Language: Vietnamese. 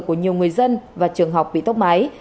của nhiều người dân và trường học bị tốc máy